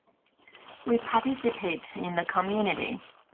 We participate in the community.